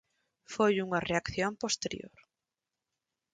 Foi unha reacción posterior.